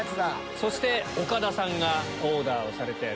そして岡田さんがオーダーをされたやつ。